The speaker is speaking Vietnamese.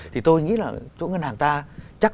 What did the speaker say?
thì tôi nghĩ là chỗ ngân hàng ta chắc